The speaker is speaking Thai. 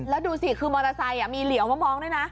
แล้วดูสิคือมอเตอร์ไซค์มีเหลียวมามองด้วยนะ